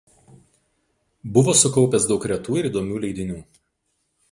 Buvo sukaupęs daug retų ir įdomių leidinių.